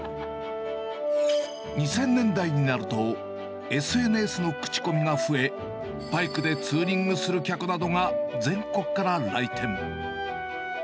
２０００年代になると、ＳＮＳの口コミが増え、バイクでツーリングする客などが全国から来店。